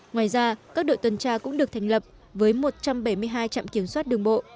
ngoài ra các đội tuần tra cũng được thành lập với một trăm bảy mươi hai trạm kiểm soát đường bộ